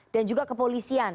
dan juga kepolisian